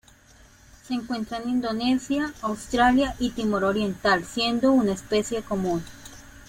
Se encuentra en Indonesia, Australia y Timor Oriental, siendo una especie común.